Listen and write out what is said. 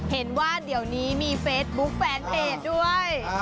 เห็นว่าเดี๋ยวนี้มีเฟซบุ๊คแฟนเพจด้วย